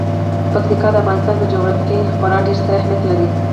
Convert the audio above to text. پکتیکا د افغانستان په جغرافیه کې خورا ډیر ستر اهمیت لري.